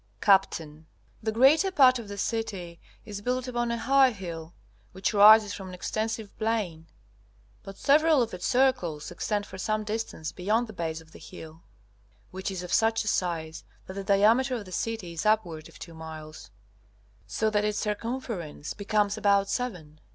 Capt. The greater part of the city is built upon a high hill, which rises from an extensive plain, but several of its circles extend for some distance beyond the base of the hill, which is of such a size that the diameter of the city is upward of two miles, so that its circumference becomes about seven.